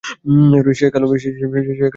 সে কালো মোটা এবং খাট।